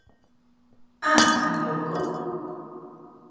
¡Ah!, ¿tampouco?